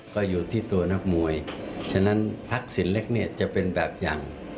ก็อยู่ที่ตัวนักมวยฉะนั้นทักษิณเล็กเนี่ยจะเป็นแบบอย่าง